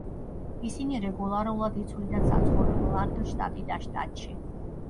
ისინი რეგულარულად იცვლიდნენ საცხოვრებელ ადგილს შტატიდან შტატში.